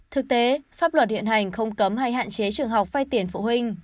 thực tế pháp luật hiện hành không cấm hay hạn chế trường học phai tiền phụ huynh